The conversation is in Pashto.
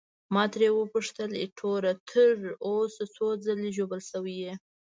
ما ترې وپوښتل: ایټوره، تر اوسه څو ځلي ژوبل شوی یې؟